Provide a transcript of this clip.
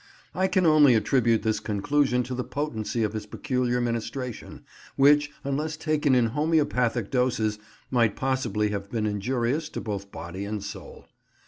I can only attribute this conclusion to the potency of his peculiar ministration, which, unless taken in homoeopathic doses, might possibly have been injurious to both body and soul.